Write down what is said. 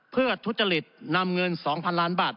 เพื่อทุจริตนำเงิน๒๐๐๐ล้านบาท